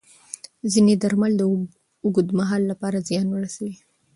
ځینې درمل د اوږد مهال لپاره زیان رسوي.